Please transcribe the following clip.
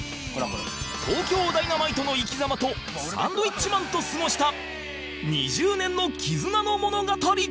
東京ダイナマイトの生き様とサンドウィッチマンと過ごした２０年の絆の物語